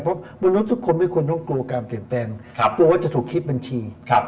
เพราะบนรถทุกคนไม่ควรต้องกลัวการเปลี่ยนแปลงกลัวว่าจะถูกคิดบัญชี